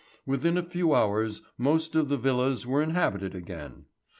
Within a few hours most of the villas were inhabited again!